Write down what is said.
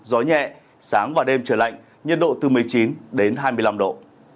gió nhẹ sáng và đêm trời lạnh nhiệt độ từ một mươi chín đến hai mươi năm độ